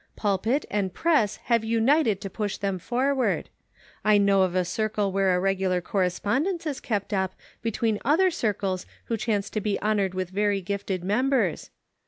Pul pit and press have united to push them forward. I know of a circle where a regular correspondence is kept up between other circles who chance to be honored with very gifted members.